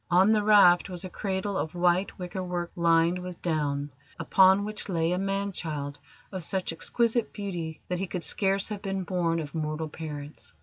On the raft was a cradle of white wicker work lined with down, upon which lay a man child of such exquisite beauty that he could scarce have been born of mortal parents.